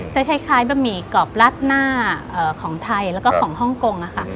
จะคล้ายบะหมี่กรอบรัดหน้าของไทยแล้วก็ของฮ่องกงค่ะ